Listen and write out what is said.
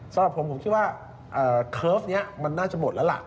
สำหรับผมผมคิดว่าเคิร์ฟนี้มันน่าจะหมดแล้วล่ะ